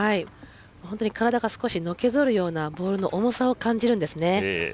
体が少しのけぞるようなボールの重さを感じるんですね。